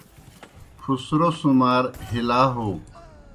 پُھسرو سُمار ہِلا ہوک